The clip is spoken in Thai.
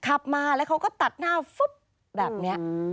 ขับมาแล้วเขาก็ตัดหน้าฟึ๊บแบบนี้